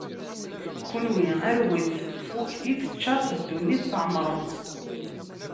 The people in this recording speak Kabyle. Kenwi, arwet, ffuktit, ččaṛet ddunit tɛemṛem-tt.